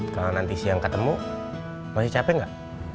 kalau nanti siang ketemu masih capek nggak